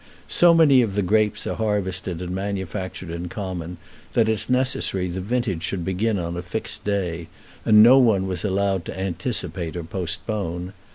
So many of the grapes are harvested and manufactured in common that it is necessary the vintage should begin on a fixed day, and no one was allowed to anticipate or postpone.